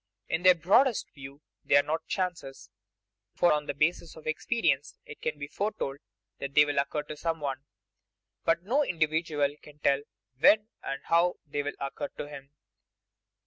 In the broadest view they are not chances, for on the basis of experience it can be foretold that they will occur to some one; but no individual can tell when and how they will occur to him.